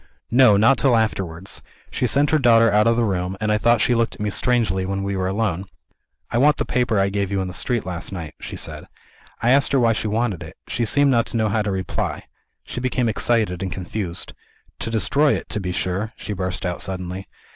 "No not till afterwards. She sent her daughter out of the room; and I thought she looked at me strangely, when we were alone. 'I want the paper that I gave you in the street, last night,' she said. I asked her why she wanted it. She seemed not to know how to reply; she became excited and confused. 'To destroy it, to be sure!' she burst out suddenly.